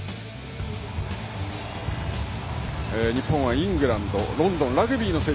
日本ははイングランドとロンドン・ラグビーの聖地